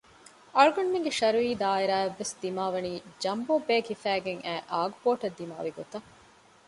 އަޅުގަނޑުމެންގެ ޝަރުއީ ދާއިރާ އަށްވެސް ދިމާވަނީ ޖަމްބޯ ބޭގް ހިފައިގެން އައި އާގުބޯޓަށް ދިމާވި ގޮތަށް